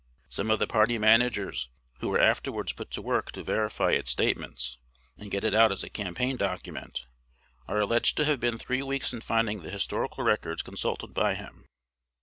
Some of the party managers who were afterwards put to work to verify its statements, and get it out as a campaign document, are alleged to have been three weeks in finding the historical records consulted by him.